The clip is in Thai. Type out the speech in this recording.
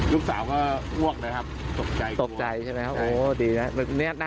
ลูกสาวก็อ้วกเลยครับตกใจใช่ไหมโอ้ดีนะน่ะเนี้ย